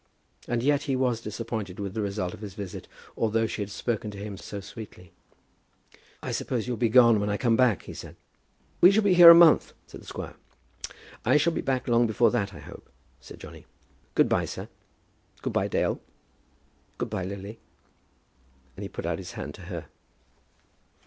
And yet he was disappointed with the result of his visit, although she had spoken to him so sweetly. "I suppose you'll be gone when I come back?" he said. "We shall be here a month," said the squire. "I shall be back long before that, I hope," said Johnny. "Good by, sir. Good by, Dale. Good by, Lily." And he put out his hand to her.